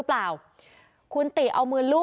แม่น้องชมพู่